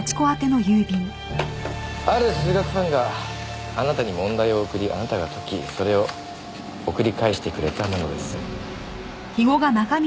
ある数学ファンがあなたに問題を送りあなたが解きそれを送り返してくれたものです。